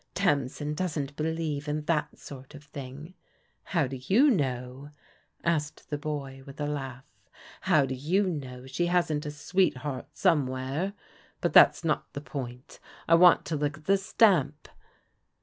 "Tamsin doesn't believe in that sort of thing." " How do you know ?" asked the boy with a laugh. "How do you know she hasn't a sweetheart somewhere? But that's not the point. I want to look at the stamp."